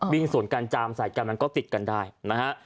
วิ่งสวนกันจามใส่กันมันก็ติดกันได้นะฮะ